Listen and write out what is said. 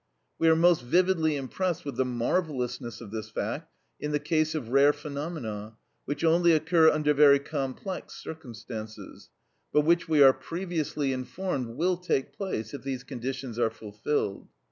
We are most vividly impressed with the marvellousness of this fact in the case of rare phenomena, which only occur under very complex circumstances, but which we are previously informed will take place if these conditions are fulfilled.